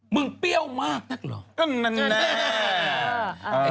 เปรี้ยวมากนักเหรอ